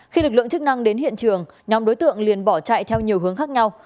khi lực lượng chức năng đến hiện trường nhóm đối tượng liền bỏ chạy theo nhiều hướng khác nhau